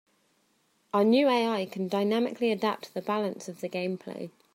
Our new AI can dynamically adapt the balance of the gameplay.